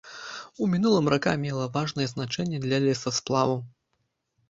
У мінулым рака мела важнае значэнне для лесасплаву.